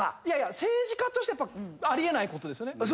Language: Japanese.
いやいや政治家としてあり得ないことですよね。